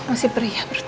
masih perih ya perutnya